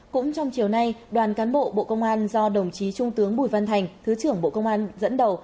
cũng trong chiều nay đoàn cán bộ bộ công an do đồng chí trung tướng bùi văn thành thứ trưởng bộ công an dẫn đầu